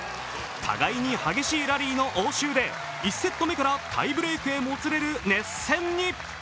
互いに激しいラリーの応酬で１セット目からタイブレークへもつれる熱戦に。